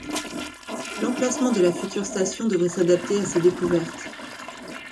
L'emplacement de la future station devrait s'adapter à ces découvertes.